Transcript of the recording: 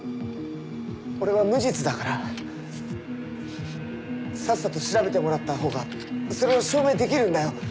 俺は無実だからさっさと調べてもらったほうがそれを証明できるんだよ。